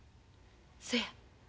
そや。